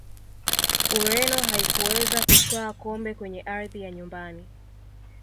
ureno haikuweza kutwaa kombe kwenye ardhi ya nyumbani